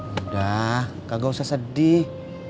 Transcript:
udah kagak usah sedih